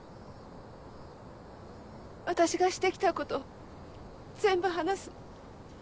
私がしてきたこと全部話す。